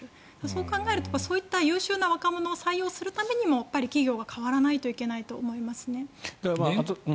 そう考えると優秀な若者を採用するためにも企業が変わらないといけないと思います。